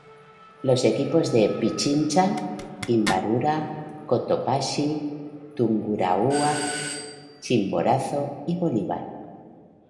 Los equipos de Pichincha, Imbabura, Cotopaxi, Tungurahua, Chimborazo y Bolívar.